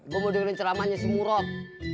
gue mau dengerin ceramahnya si murad